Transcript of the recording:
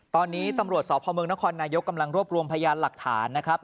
ตอนนี้ตำรวจสพเมืองนครนายกกำลังรวบรวมพยานหลักฐานนะครับ